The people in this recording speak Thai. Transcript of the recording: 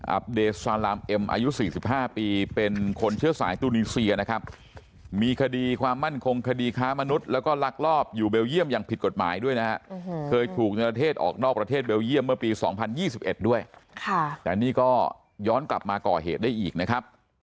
อัพเดสซาลอาร์มเอ็มอายุ๔๕ปีเป็นคนเชื้อสายตุลินสเซียนะครับ